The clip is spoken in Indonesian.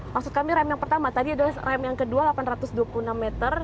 maksud kami rem yang pertama tadi adalah rem yang kedua delapan ratus dua puluh enam meter